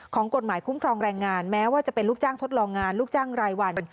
ของกฎหมายคุ้มครองแรงงานแม้ว่าจะเป็นลูกจ้างทดลองงานลูกจ้างรายวัน